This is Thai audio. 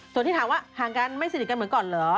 ส่วนที่ถามว่าห่างกันไม่สนิทกันเหมือนก่อนเหรอ